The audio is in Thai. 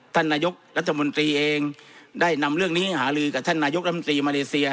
ท่านนายกรัฐมนตรีเองได้นำเรื่องนี้ให้หาลือกับท่านนายกรัฐมนตรีมาเลเซีย